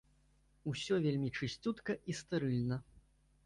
Усё вельмі чысцютка і стэрыльна.